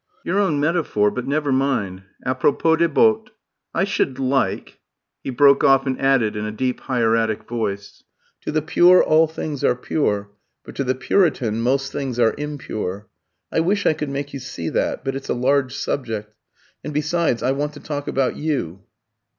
"Your own metaphor; but never mind. A propos des bottes, I should like " he broke off and added in a deep, hieratic voice, "To the pure all things are pure, but to the Puritan most things are impure. I wish I could make you see that; but it's a large subject. And besides, I want to talk about you."